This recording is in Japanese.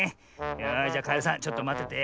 よしじゃカエルさんちょっとまってて。